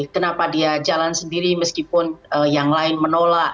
kenapa dia jalan sendiri meskipun yang lain menolak